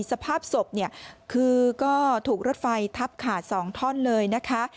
สภาพศพเนี่ยคือก็ถูกรถไฟทับขาด๒ท่อนเลยนะคะ